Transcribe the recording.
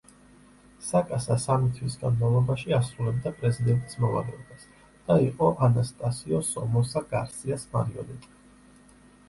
საკასა სამი თვის განმავლობაში ასრულებდა პრეზიდენტის მოვალეობას და იყო ანასტასიო სომოსა გარსიას მარიონეტი.